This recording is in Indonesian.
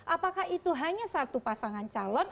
apakah itu hanya satu pasangan calon